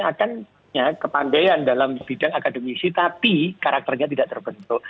akan kepandean dalam bidang akademisi tapi karakternya tidak terbentuk